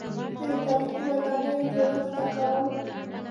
زه د تاریخي ودانیو جوړښت زده کوم.